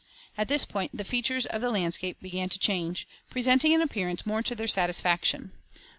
At this point the features of the landscape began to change, presenting an appearance more to their satisfaction.